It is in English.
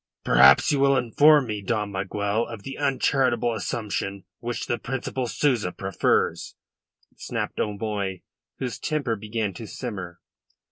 "Perhaps you will inform me, Dom Miguel, of the uncharitable assumption which the Principal Souza prefers," snapped O'Moy, whose temper began to simmer.